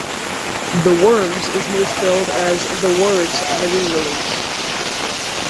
"The Worms" is misspelled as "The Words" on the re-release.